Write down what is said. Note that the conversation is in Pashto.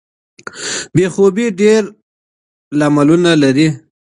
بې خوبۍ ډیر لاملونه لري.